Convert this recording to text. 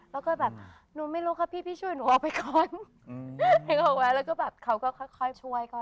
แล้วก็แบบนุ้นไม่รู้ค่ะพี่ช่วยหนูเอาไปก่อนแล้วเขาก็แบบเขาก็ค่อยช่วยก่อน